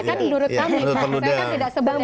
kan menurut kami kita kan tidak sebut yang lain